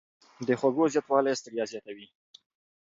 د خوړو زیاتوالی ستړیا زیاتوي.